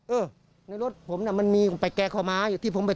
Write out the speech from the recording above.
เออรถผมมันมีไปแก่ของขวาม้า